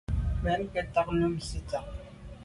Mbèn nke ntà num nsitsha’a.